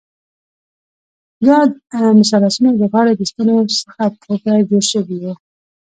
دوه مثلثونه د غاړې د ستنو څخه پورته جوړ شوي وو.